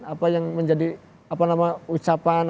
apa yang menjadi ucapan